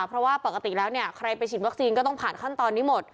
เพราะว่าปกติแล้วเนี่ยใครไปฉีดวัคซีนก็ต้องผ่านขั้นตอนนี้หมด